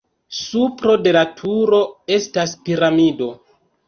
Supro de la turo estas piramido.